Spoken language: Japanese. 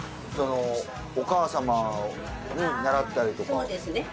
そのお母様に習ったりとか？